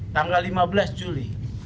tanggal lima belas juli